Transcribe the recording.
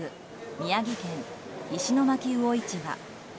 宮城県石巻魚市場。